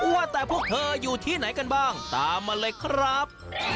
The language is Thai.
ว่าแต่พวกเธออยู่ที่ไหนกันบ้างตามมาเลยครับ